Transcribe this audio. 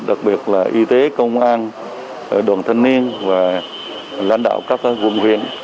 đặc biệt là y tế công an đoàn thanh niên và lãnh đạo các quận huyện